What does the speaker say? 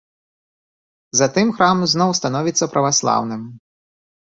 Затым храм зноў становіцца праваслаўным.